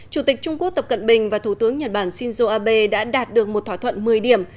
chủ tịch trung quốc tập cận bình và thủ tướng nhật bản shinzo abe đã đạt được một thỏa thuận một mươi điểm